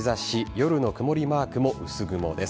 夜の曇りマークも薄雲です。